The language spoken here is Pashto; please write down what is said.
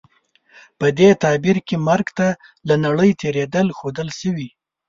په دې تعبیر کې مرګ ته له نړۍ تېرېدل ښودل شوي.